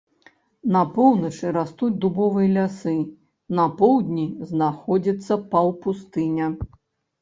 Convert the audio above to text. На поўначы растуць дубовыя лясы, на поўдні знаходзіцца паўпустыня.